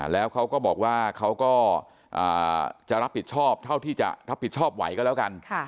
แล้วเขาก็บอกว่าเขาก็จะรับผิดชอบเท่าที่จะรับผิดชอบไหวก็แล้วกัน